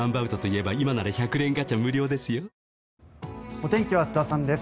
お天気は津田さんです。